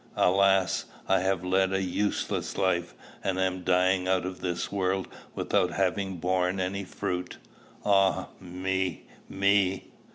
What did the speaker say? _ Alas! I have led a useless life, and am dying out of this world without having borne any fruit! Ah, me, me!"